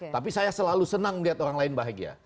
tapi saya selalu senang melihat orang lain bahagia